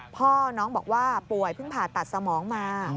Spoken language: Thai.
พ่อน้องบอกว่าป่วยเพิ่งผ่าตัดสมองมา